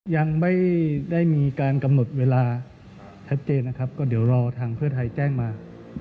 ยังไม่ได้มีการกำหนดเวลาชัดเจนนะครับก็เดี๋ยวรอทางเพื่อไทยแจ้งมา